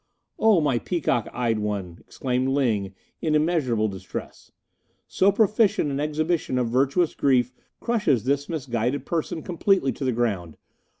"Oh, my peacock eyed one!" exclaimed Ling, in immeasurable distress, "so proficient an exhibition of virtuous grief crushes this misguided person completely to the ground.